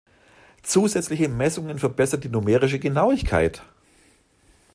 Zusätzliche Messungen verbessern die numerische Genauigkeit.